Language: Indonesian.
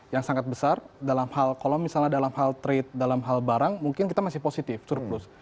yang sangat besar dalam hal kalau misalnya dalam hal trade dalam hal barang mungkin kita masih positif surplus